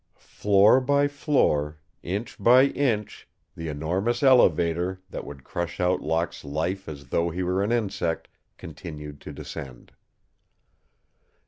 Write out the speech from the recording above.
Floor by floor, inch by inch, the enormous elevator, that would crush out Locke's life as though he were an insect, continued to descend.